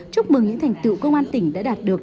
chúc mừng những thành tựu công an tỉnh đã đạt được